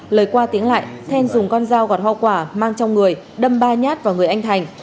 lời qua tiếng lại then dùng con dao gọt hoa quả mang trong người đâm ba nhát vào người anh thành